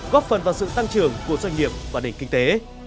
góp phần vào sự tăng trưởng của doanh nghiệp và nền kinh tế